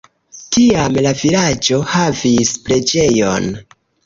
Tiam la vilaĝo havis preĝejon.